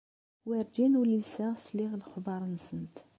Werǧin uliseɣ sliɣ lexbar-nsent.